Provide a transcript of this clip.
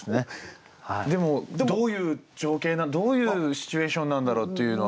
でもどういう情景どういうシチュエーションなんだろうっていうのは？